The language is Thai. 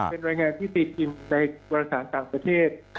เป็นวัยงานที่ติดทินในบริษัทต่างประเทศ